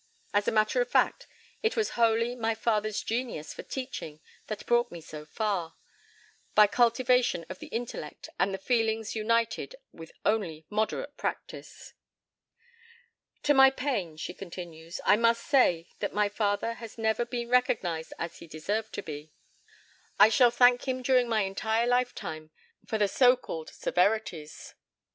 As a matter of fact, it was wholly my father's genius for teaching that brought me so far, by cultivation of the intellect and the feelings united with only moderate practice." "To my pain," she continues, "I must say that my father has never been recognized as he deserved to be. I shall thank him during my entire lifetime for the so called severities.